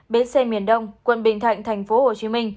bến xe miền đông quận bình thạnh tp hcm